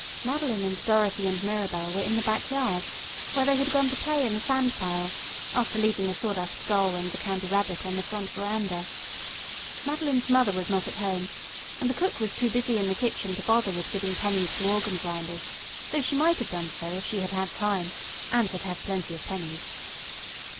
Madeline and Dorothy and Mirabell were in the back yard where they had gone to play in the sand pile, after leaving the Sawdust Doll and the Candy Rabbit on the front veranda. Madeline's mother was not at home, and the cook was too busy in the kitchen to bother with giving pennies to organ grinders, though she might have done so if she had had time and had had plenty of pennies.